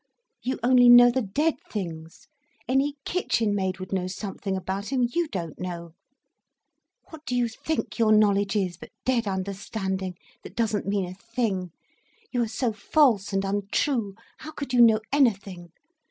You only know the dead things. Any kitchen maid would know something about him, you don't know. What do you think your knowledge is but dead understanding, that doesn't mean a thing. You are so false, and untrue, how could you know anything?